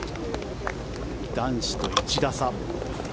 男子と１打差。